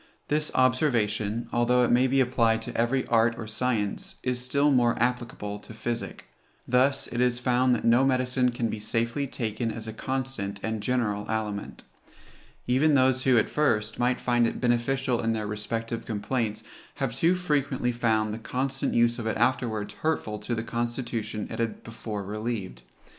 This observation, although it may be applied to every art or science, is still more applicable to physic. Thus is it found that no medicine can be safely taken as a constant and general aliment. Even those who, at first, might find it beneficial in their respective complaints, have too frequently found the constant use of it afterwards hurtful to the constitution it had before relieved.